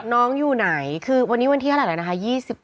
น้องอยู่ไหนคือวันนี้วันที่เท่าไหร่นะคะ